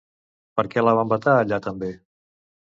Per què la van vetar allà també?